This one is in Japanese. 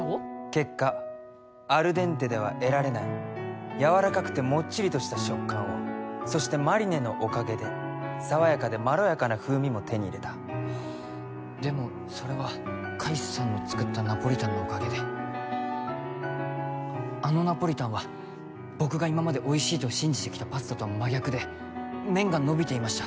結果アルデンテでは得られないやわらかくてもっちりとした食感をそしてマリネのおかげで爽やかでまろやかな風味も手に入れたでもそれは海さんの作ったナポリタンのおかげであのナポリタンは僕が今までおいしいと信じてきたパスタとは真逆で麺がのびていました